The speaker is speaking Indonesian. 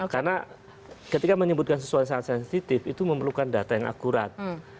karena ketika menyebutkan sesuatu yang sangat sensitif itu memerlukan data yang akurat